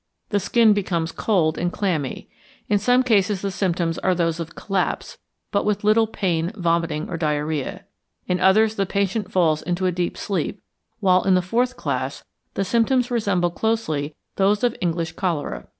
The skin becomes cold and clammy. In some cases the symptoms are those of collapse, with but little pain, vomiting, or diarrhoea. In others the patient falls into a deep sleep, while in the fourth class the symptoms resemble closely those of English cholera.